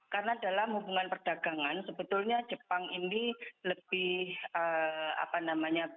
karena dalam hubungan perdagangan sebetulnya jepang ini lebih apa namanya